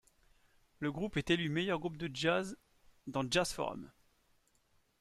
Le groupe est élu meilleur groupe de jazz dans Jazz Forum.